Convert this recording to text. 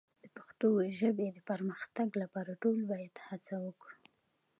د پښتو ژبې د پرمختګ لپاره ټول باید هڅه وکړو.